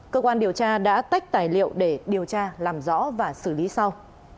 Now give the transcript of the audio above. cơ quan điều tra đã tách tài liệu để điều tra làm rõ và xử lý sau